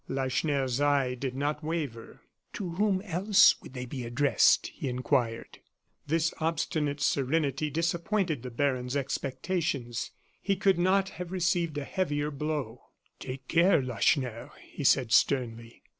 Lacheneur's eye did not waver. "To whom else could they be addressed?" he inquired. This obstinate serenity disappointed the baron's expectations. He could not have received a heavier blow. "Take care, Lacheneur," he said, sternly.